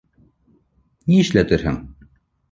Ни эшләтерһең?